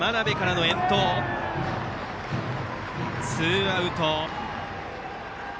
ツーアウト。